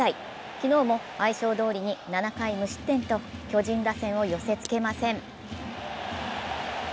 昨日も相性どおりに７回無失点と巨人打線を寄せつけません。